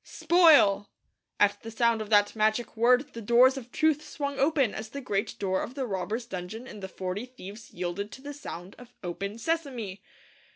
'Spoil!' at the sound of that magic word the doors of truth swung open as the great door of the robbers' dungeon in The Forty Thieves yielded to the sound of 'Open, Sesame!'